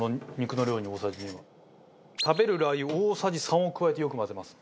食べるラー油大さじ３を加えてよく混ぜます。